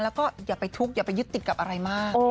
แล้วก็อย่าไปทุกข์อย่าไปยึดติดกับอะไรมาก